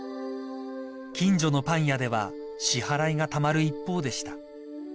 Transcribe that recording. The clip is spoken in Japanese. ［近所のパン屋では支払いがたまる一方でした］